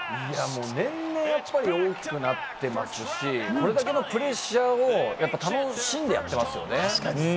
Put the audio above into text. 年々やっぱり大きくなっていますし、プレッシャーを楽しんでやっていますよね。